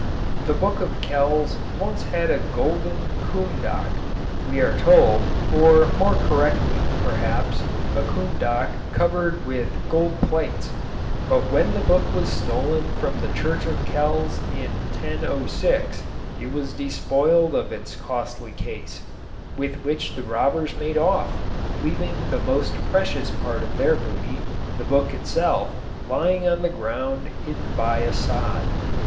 The Book of Kells once had a golden cumhdach, we are told, or, more correctly, perhaps, a cumhdach covered with gold plates; but when the book was stolen from the church of Kells in 1006 it was despoiled of its costly case, with which the robbers made off, leaving the most precious part of their booty, the book itself, lying on the ground hidden by a sod.